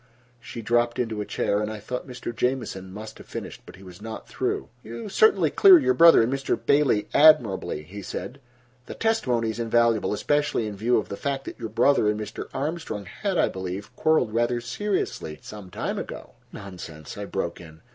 She dropped into a chair, and I thought Mr. Jamieson must have finished. But he was not through. "You certainly clear your brother and Mr. Bailey admirably," he said. "The testimony is invaluable, especially in view of the fact that your brother and Mr. Armstrong had, I believe, quarreled rather seriously some time ago." "Nonsense," I broke in.